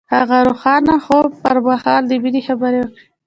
هغه د روښانه خوب پر مهال د مینې خبرې وکړې.